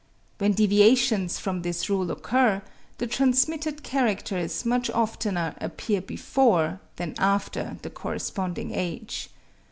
When deviations from this rule occur, the transmitted characters much oftener appear before, than after the corresponding age.